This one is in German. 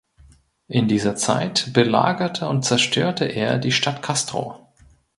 In dieser Zeit belagerte und zerstörte er die Stadt Castro.